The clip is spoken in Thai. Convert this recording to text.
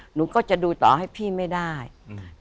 หนูก็จะดูต่อให้พี่ไม่ได้อืม